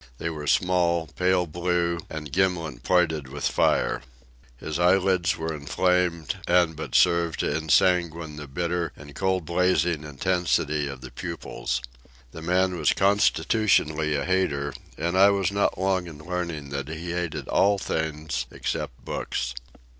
They were small, pale blue, and gimlet pointed with fire. His eyelids were inflamed, and but served to ensanguine the bitter and cold blazing intensity of the pupils. The man was constitutionally a hater, and I was not long in learning that he hated all things except books.